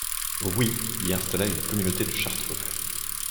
Rouy y installa une communauté de chartreux.